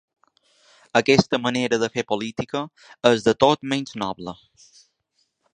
Aquesta manera de fer política és de tot menys noble.